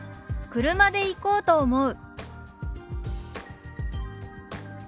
「車で行こうと思う」。